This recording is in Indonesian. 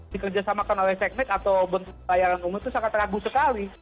dikerjasamakan oleh seknek atau bentuk pelayanan umum itu sangat ragu sekali